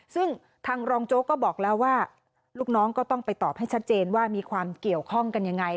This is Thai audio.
ซึ่งทางรองโจ๊กก็บอกแล้วว่าลูกน้องก็ต้องไปตอบให้ชัดเจนว่ามีความเกี่ยวข้องกันยังไง